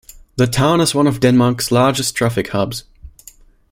The town is one of Denmark's largest traffic hubs.